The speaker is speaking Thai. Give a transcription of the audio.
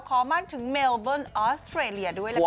ขอมั่นถึงเมลเบิร์นออสเตรเลียด้วยล่ะค่ะ